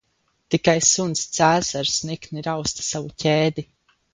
Tikai suns Cēzars nikni rausta savu ķēdi.